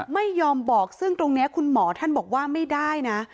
ไม่ยอมบอกซึ่งตรงนี้คุณหมอท่านบอกว่าไม่ได้นะ